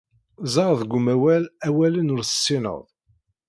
Ẓer deg umawal awalen ur tessineḍ.